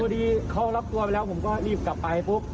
พอดีเขารับตัวไปแล้วผมก็รีบกลับไปปุ๊บ